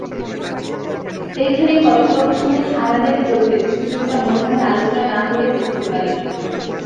এইখানেই পরেশবাবুর সঙ্গে হারানের প্রভেদ সুচরিতা মনে মনে আলোচনা না করিয়া থাকিতে পারিল না।